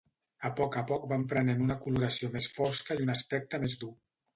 A poc a poc van prenent una coloració més fosca i un aspecte més dur.